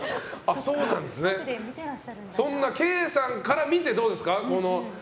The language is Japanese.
そんなＫさんから見てどうですか？